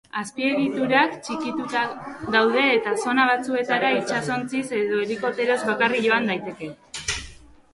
Azpiegiturak txikituta daude eta zona batzuetara itsasontziz edo helikopteroz bakarrik joan daiteke.